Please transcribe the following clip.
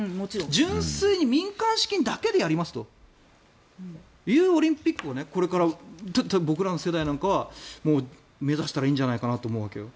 純粋に民間資金だけでやりますというオリンピックをこれから僕らの世代なんかは目指したらいいんじゃないかなと思うわけよ。